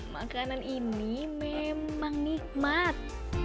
makanan ini memang nikmat